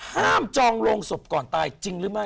ห้ามจองลงศพก่อนตายจริงหรือไม่